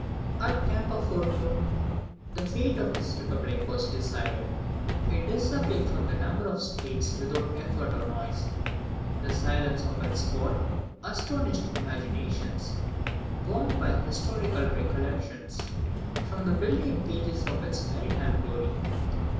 At Campo Formio the fate of this republic was decided. It disappeared from the number of States without effort or noise. The silence of its fall astonished imaginations warmed by historical recollections from the brilliant pages of its maritime glory.